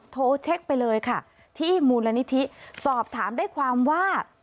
โทรเช็คไปเลยค่ะที่มูลนิธิสอบถามได้ความว่า